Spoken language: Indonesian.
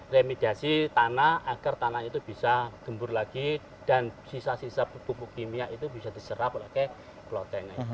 remidasi tanah agar tanah itu bisa gembur lagi dan sisa sisa pupuk kimia itu bisa diserap oleh keloteng